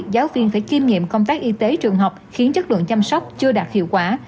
giáo viên phải kiêm nghiệm công tác y tế trường học khiến chất lượng chăm sóc chưa đạt hiệu quả